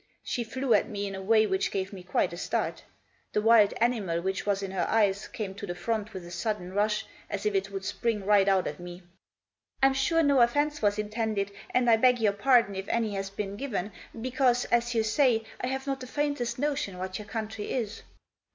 She flew at me in a way which gave me quite a start. The wild animal which was in her eyes came to the front with a sudden rush, as if it would spring right out at me. " I'm sure no offence was intended, and I beg your 9 Digitized by 130 THE JOSS. pardon if any has been given. Because, as you say, I have not the faintest notion what your country is."